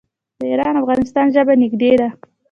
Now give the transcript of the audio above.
د ایران او افغانستان ژبه نږدې ده.